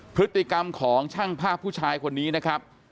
พฤติกรรมของช่างภาพผู้ชายคนนี้นะครับ